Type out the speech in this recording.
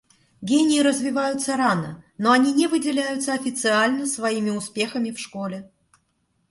Гении развиваются рано, но они не выделяются официально своими успехами в школе.